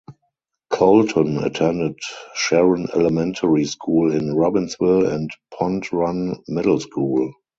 Colton attended Sharon Elementary School in Robbinsville and Pond Run Middle School.